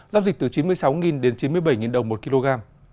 giao dịch từ chín mươi sáu đến chín mươi bảy đồng một kg